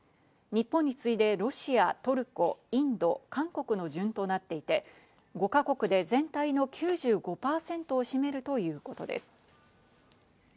日本に次いでロシア、トルコ、インド、韓国の順となっていて、５か国で全体の９５％を占めるということです。